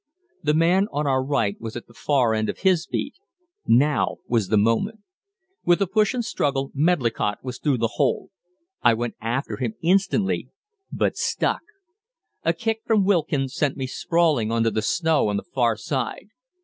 The man on our right was at the far end of his beat. Now was the moment. With a push and a struggle Medlicott was through the hole. I went after him instantly, but stuck. A kick from Wilkin sent me sprawling on to the snow on the far side.